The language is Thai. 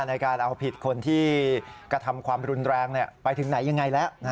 ในการเอาผิดคนที่กระทำความรุนแรงไปถึงไหนยังไงแล้ว